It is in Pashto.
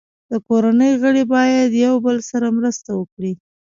د کورنۍ غړي باید یو بل سره مرسته وکړي.